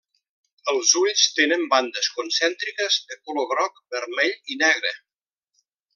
Els ulls tenen bandes concèntriques de color groc, vermell i negre.